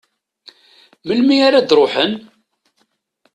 Melmi ara d-ruḥen?